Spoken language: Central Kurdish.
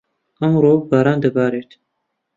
ئەمڕۆ، باران دەبارێت.